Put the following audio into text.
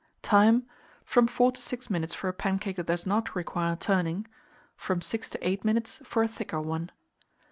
Time. from 4 to 6 minutes for a pancake that does not require turning; from 6 to 8 minutes for a thicker one.